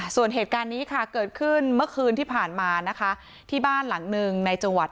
ส่วนเหตุการณ์นี้ค่ะเกิดขึ้นเมื่อคืนที่ผ่านมานะคะที่บ้านหลังหนึ่งในจังหวัด